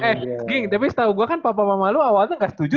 eh geng tapi setau gue kan papa papam lo awalnya nggak setuju ya